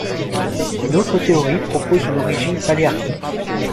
Une autre théorie propose une origine paléarctique.